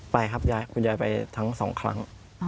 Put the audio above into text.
ไปครับคุณยายไปทั้งสองครั้ง